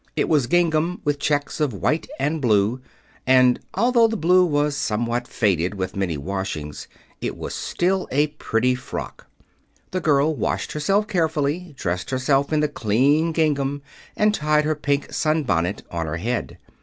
It was gingham, with checks of white and blue; and although the blue was somewhat faded with many washings, it was still a pretty frock. The girl washed herself carefully, dressed herself in the clean gingham, and tied her pink sunbonnet on her head.